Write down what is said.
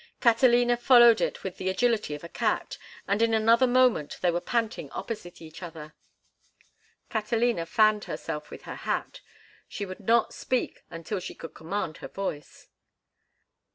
Catalina followed it with the agility of a cat, and in another moment they were panting opposite each other. Catalina fanned herself with her hat; she would not speak until she could command her voice.